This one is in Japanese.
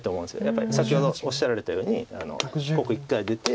やっぱり先ほどおっしゃられたようにここ一回出て。